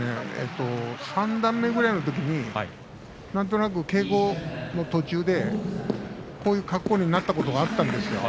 三段目のときになんとなく稽古の途中でこういう格好になったことがあったんです。